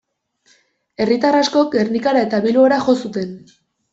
Herritar askok Gernikara eta Bilbora jo zuten.